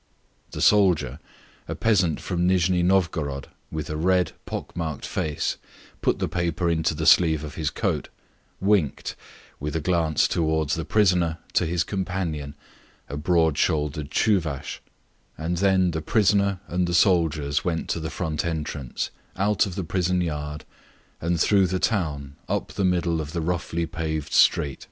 The soldier, a peasant from Nijni Novgorod, with a red, pock marked face, put the paper into the sleeve of his coat, winked to his companion, a broad shouldered Tchouvash, and then the prisoner and the soldiers went to the front entrance, out of the prison yard, and through the town up the middle of the roughly paved street.